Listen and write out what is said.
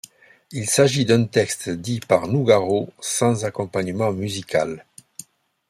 Il s'agit d'un texte dit par Nougaro sans accompagnement musical.